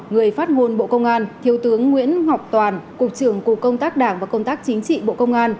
người phát ngôn bộ công an thiếu tướng nguyễn ngọc toàn cục trưởng cục công tác đảng và công tác chính trị bộ công an